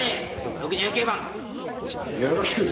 ６９番。